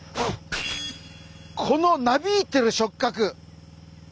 このなびいてる触角。